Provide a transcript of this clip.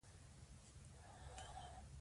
وروسته یې بیا هډوکي راوباسي.